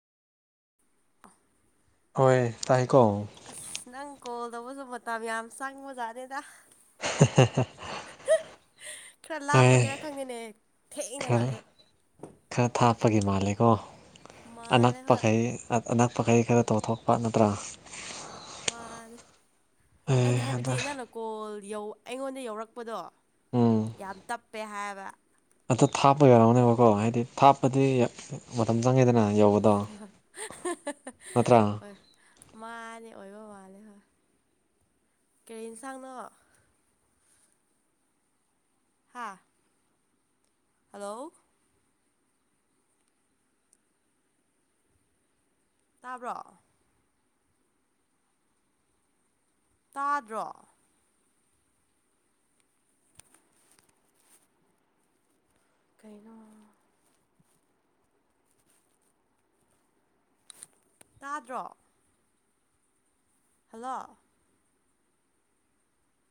[inaudible] ꯍꯣꯏ ꯇꯥꯏꯀꯣ ꯑꯁ ꯅꯪ ꯀꯣꯜ ꯇꯧꯕꯁꯨ ꯃꯇꯝ ꯌꯥꯝ ꯆꯪꯕꯖꯥꯠꯅꯦꯗ ꯍ ꯍꯍ ꯈꯔ ꯂꯥꯞꯄꯒꯦꯔꯥ ꯈꯪꯗꯦꯅꯦ ꯊꯦꯡꯅ ꯈꯔ ꯂꯥꯛꯑꯦ ꯈꯔ ꯊꯥꯞꯄꯒꯤ ꯃꯥꯂꯦꯀꯣ ꯃꯥꯜꯂꯦ ꯍꯣꯏ ꯑꯅꯛꯄꯈꯩ ꯑꯅꯛꯄ ꯈꯔꯤ ꯈꯔ ꯇꯧꯊꯣꯛꯄ ꯅꯠꯇ꯭ꯔꯥ ꯃꯥꯅꯦ ꯑꯦ ꯑꯩꯅ ꯑꯗ ꯍꯥꯏꯕꯗꯤ ꯅꯪꯅ ꯀꯣꯜ ꯌꯧ ꯑꯩꯉꯣꯟꯗ ꯌꯧꯔꯛꯄꯗꯣ ꯎꯝ ꯌꯥꯝ ꯇꯞꯄꯦ ꯍꯥꯏꯕ ꯑꯗꯣ ꯊꯥꯞꯄꯒꯤ ꯑꯣꯏꯔꯝꯒꯅꯤꯕꯀꯣ ꯍꯥꯏꯗꯤ ꯊꯥꯞꯄꯗꯤ ꯃꯇꯝ ꯆꯪꯉꯤꯗꯅ ꯌꯧꯕꯗꯣ ꯅꯠꯇ꯭ꯔꯥ ꯍꯣꯏ ꯃꯥꯅꯦ ꯑꯣꯏꯕ ꯃꯥꯜꯂꯦ ꯍꯣꯏ ꯀꯔꯤ ꯌꯦꯟꯁꯥꯡꯅꯣ ꯍꯥꯥ ꯍꯜꯂꯣ ꯇꯥꯕ꯭ꯔꯣ ꯇꯥꯗ꯭ꯔꯣ ꯀꯩꯅꯣ ꯇꯥꯗ꯭ꯔꯣ ꯍꯜꯂꯣ